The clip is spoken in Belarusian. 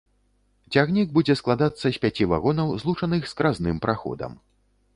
Цягнік будзе складацца з пяці вагонаў, злучаных скразным праходам.